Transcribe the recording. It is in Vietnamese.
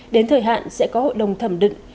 đến thời hạn sẽ có hội đồng thẩm định